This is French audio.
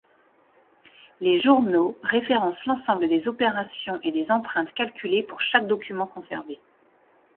Le journaux référencent l'ensemble des opérations et des empreintes calculées pour chaque document conservé.